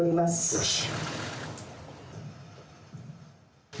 よし！